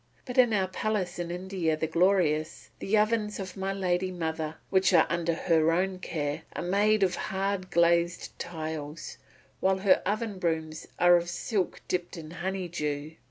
But in our palace in India the Glorious the ovens of my lady mother, which are under her own care, are made of hard glazed tiles, while her oven brooms are of silk dipped in honey dew.